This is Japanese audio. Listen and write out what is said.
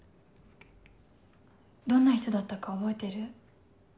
どんな人だったか覚えてる？